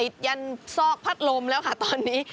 ยันซอกพัดลมแล้วค่ะตอนนี้